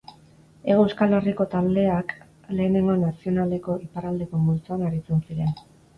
Hego Euskal Herriko taldeak Lehenengo Nazionaleko iparraldeko multzoan aritzen ziren.